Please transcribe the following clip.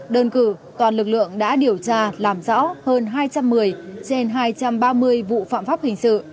đơn cử toàn lực lượng đã điều tra làm rõ hơn hai trăm một mươi trên hai trăm ba mươi vụ phạm pháp hình sự